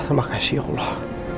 terima kasih ya allah